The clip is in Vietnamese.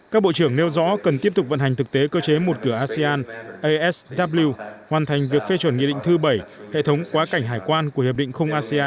các bộ trưởng nêu rõ cần tiếp tục vận hành thực tế cơ chế một cửa asean hoàn thành việc phê chuẩn nghị định thứ bảy